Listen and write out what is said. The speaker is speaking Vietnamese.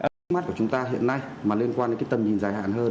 trước mắt của chúng ta hiện nay mà liên quan đến cái tầm nhìn dài hạn hơn